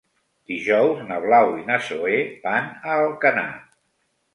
Dijous na Blau i na Zoè van a Alcanar.